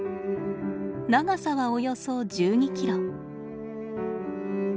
長さはおよそ１２キロ。